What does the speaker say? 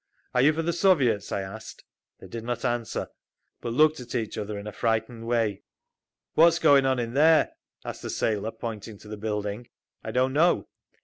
"Are you for the Soviets?" I asked. They did not answer, but looked at each other in a frightened way. "What is going on in there?" asked the sailor, pointing to the building. "I don't know."